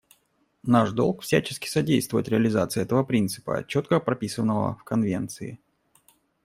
Наш долг — всячески содействовать реализации этого принципа, четко прописанного в Конвенции.